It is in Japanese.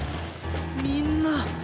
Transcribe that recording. みんな。